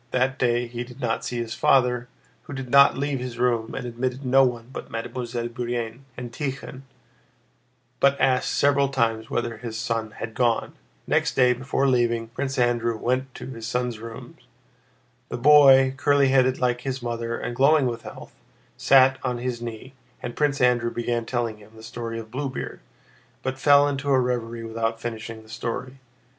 That day he did not see his father, who did not leave his room and admitted no one but Mademoiselle Bourienne and Tíkhon, but asked several times whether his son had gone. Next day, before leaving, Prince Andrew went to his son's rooms. The boy, curly headed like his mother and glowing with health, sat on his knee, and Prince Andrew began telling him the story of Bluebeard, but fell into a reverie without finishing the story.